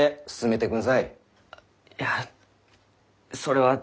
あっいやそれは。